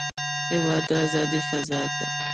هېواد د ازادۍ فضا ده.